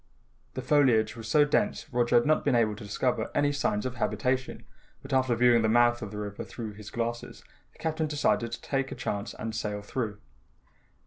The foliage was so dense, Roger had not been able to discover any signs of habitation, but after viewing the mouth of the river through his glasses, the Captain decided to take a chance, and sail through.